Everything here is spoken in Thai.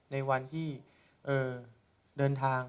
ในวันที่เดินทาง